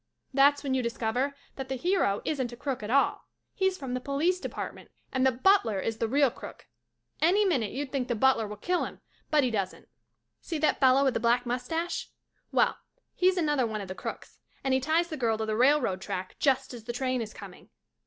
That's when you discover that the hero isn't a crook at all — he's from the Police Department and the butler is the real crook. Any minute you'd think the butler will kill him but he doesn't. See that fella with the black moustache — well, he's another one of the crooks and he ties the girl to the railroad track just as the train is coming.